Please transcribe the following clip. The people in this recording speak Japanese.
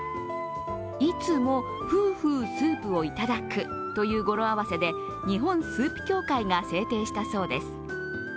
いつもフーフースープをいただくという語呂合わせで、日本スープ協会が制定したそうです。